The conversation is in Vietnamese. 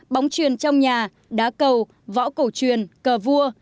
bóng truyền trong nhà đá cầu võ cổ truyền cờ vua